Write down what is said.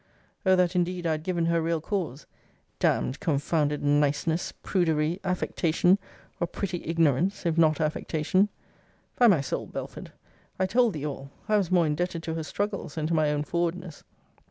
O that indeed I had given her real cause! Damn'd confounded niceness, prudery, affectation, or pretty ignorance, if not affectation! By my soul, Belford, I told thee all I was more indebted to her struggles, than to my own forwardness.